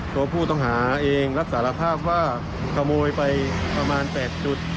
ตัวผู้ต้องหาเองรับสารภาพว่าขโมยไปประมาณ๘จุด